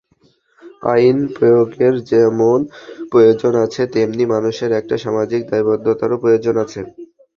আইন প্রয়োগের যেমন প্রয়োজন আছে, তেমনি মানুষের একটা সামাজিক দায়বদ্ধতারও প্রয়োজন আছে।